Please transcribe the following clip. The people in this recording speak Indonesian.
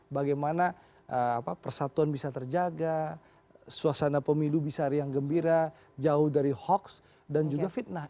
bagaimana persatuan bisa terjaga suasana pemilu bisa riang gembira jauh dari hoax dan juga fitnah